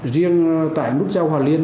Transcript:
riêng tại nút giao hòa liên